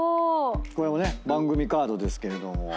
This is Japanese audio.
これも番組カードですけれども。